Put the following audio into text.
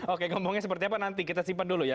oke ngomongnya seperti apa nanti kita simpan dulu ya